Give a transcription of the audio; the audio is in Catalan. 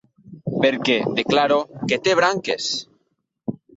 Perquè, declaro, que té branques!